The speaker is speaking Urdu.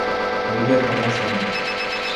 میڈیا خاموش ہونا